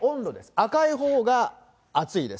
赤いほうがあついです。